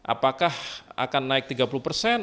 apakah akan naik tiga puluh persen